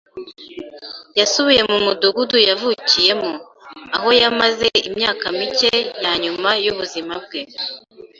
Yasubiye mu mudugudu yavukiyemo, aho yamaze imyaka mike ya nyuma y'ubuzima bwe